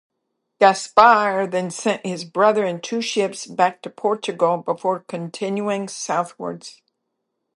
Gaspar then sent his brother and two ships back to Portugal before continuing southwards.